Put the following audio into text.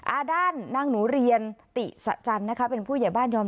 อาดานนางหนูเรียนติศจรรย์เป็นผู้ใหญ่บ้านยอมรับ